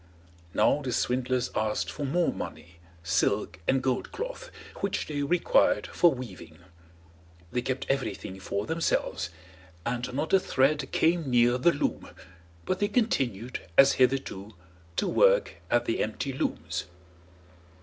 Now the swindlers asked for more money, silk and gold cloth, which they required for weaving. They kept everything for themselves, and not a thread came near the loom, but they continued, as hitherto, to work at the empty looms.